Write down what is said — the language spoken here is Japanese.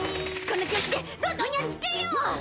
この調子でどんどんやっつけよう！